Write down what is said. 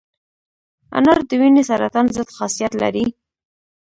انار د وینې سرطان ضد خاصیت لري.